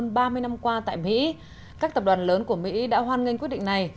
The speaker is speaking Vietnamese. trong ba mươi năm qua tại mỹ các tập đoàn lớn của mỹ đã hoan nghênh quyết định này